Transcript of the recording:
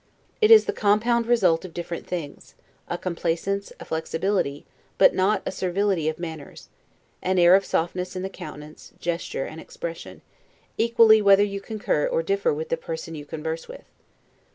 It is the compound result of different things; a complaisance, a flexibility, but not a servility of manners; an air of softness in the countenance, gesture, and expression, equally whether you concur or differ with the person you converse with.